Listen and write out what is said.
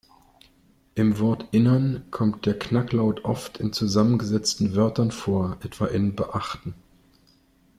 Im Wortinneren kommt der Knacklaut oft in zusammengesetzten Wörtern vor, etwa in "beachten".